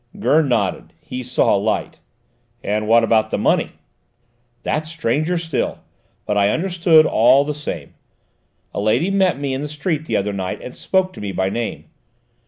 Gurn nodded: he saw light. "And what about the money?" "That's stranger still, but I understood all the same. A lady met me in the street the other night and spoke to me by name.